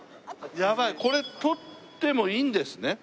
やばいこれ取ってもいいんですね？